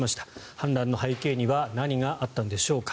反乱の背景には何があったんでしょうか。